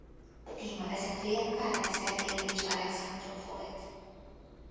Témavezetője Pavel Szergejevics Alekszandrov volt.